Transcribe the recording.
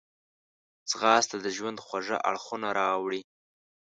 ځغاسته د ژوند خوږ اړخونه راوړي